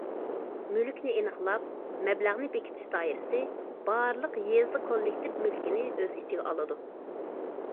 مۈلۈكنى ئېنىقلاپ، مەبلەغنى بېكىتىش دائىرىسى بارلىق يېزا كوللېكتىپ مۈلكىنى ئۆز ئىچىگە ئالىدۇ.